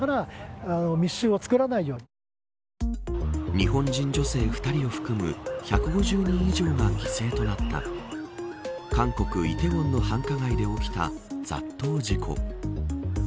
日本人女性２人を含む１５０人以上が犠牲となった韓国、梨泰院の繁華街で起きた雑踏事故。